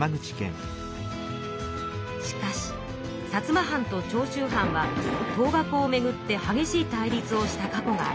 しかし薩摩藩と長州藩は倒幕をめぐってはげしい対立をした過去がありました。